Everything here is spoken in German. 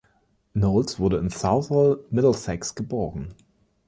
Knowles wurde in Southall, Middlesex, geboren.